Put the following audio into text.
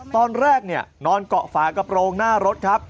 ตอนแรกนอนเกาะฝากระโปรงหน้ารถครับ